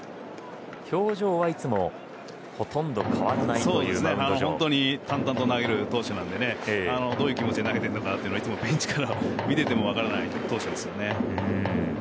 表情はいつもほとんど変わらないという本当に淡々と投げる投手なのでどういう気持ちで投げているのかベンチから見ていても分からない投手ですね。